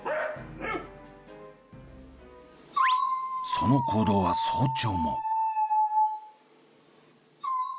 その行動は早朝も。